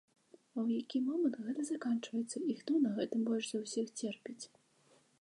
А ў які момант гэта заканчваецца і хто на гэтым больш за ўсіх церпіць?